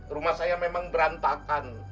rumah saya memang berantakan